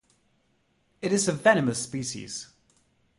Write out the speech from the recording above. It is a venomous species.